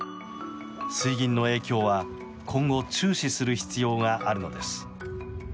水銀の影響は今後注視する必要があるのです。